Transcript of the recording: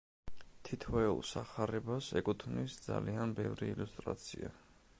თითოეულ სახარებას ეკუთვნის ძალიან ბევრი ილუსტრაცია.